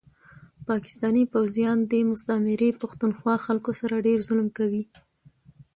پاکستاني پوځيان دي مستعمري پښتونخوا خلکو سره ډير ظلم کوي